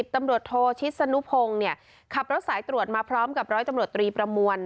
ตำรวจโทชิสนุพงศ์ขับรถสายตรวจมาพร้อมกับร้อยตำรวจตรีประมวล